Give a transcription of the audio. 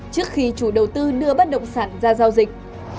trước khi chủ đầu tư đưa bất động sản ra giao dịch